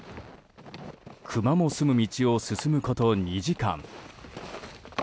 クマもすむ道を進むこと２時間。